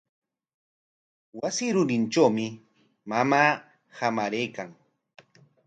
Wasi rurintrawmi mamaa hamaraykan.